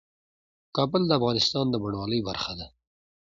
کابل د افغانستان د بڼوالۍ برخه ده.